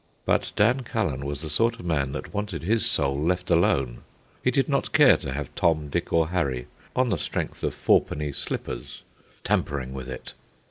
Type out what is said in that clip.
But Dan Cullen was the sort of man that wanted his soul left alone. He did not care to have Tom, Dick, or Harry, on the strength of fourpenny slippers, tampering with it.